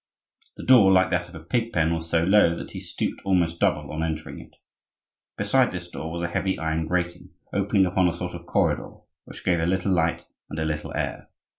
The door, like that of a pig pen, was so low that he stooped almost double on entering it. Beside this door was a heavy iron grating, opening upon a sort of corridor, which gave a little light and a little air.